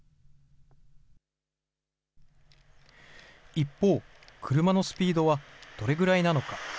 一方、車のスピードはどれぐらいなのか。